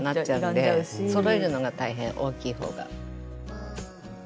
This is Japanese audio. そろえるのが大変大きい方が。